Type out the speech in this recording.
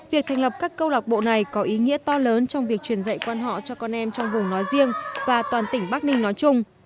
việc thành lập các câu lạc bộ này có ý nghĩa to lớn trong việc truyền dạy quan họ cho con em trong vùng nói riêng và toàn tỉnh bắc ninh nói chung